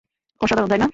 অসাধারণ, তাই না?